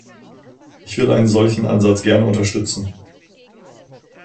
Ich will einen solchen Ansatz gerne unterstützen.